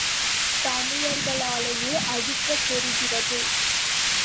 தமிழர்களாலேயே அழிக்கப் பெறுகிறது.